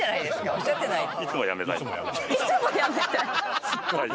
おっしゃってないです。